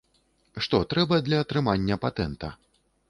Што трэба для атрымання патэнта?